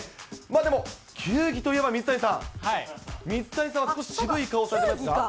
まあでも、球技といえば水谷さん、水谷さんは少し渋い顔されてますか？